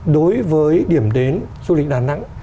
đối với điểm đến du lịch đà nẵng